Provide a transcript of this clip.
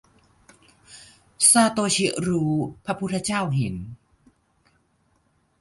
- ซาโตชิรู้พระพุทธเจ้าเห็น